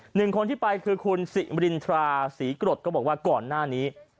หนึ่งคนที่ไปคือคุณสิมรินทราศรีกรดก็บอกว่าก่อนหน้านี้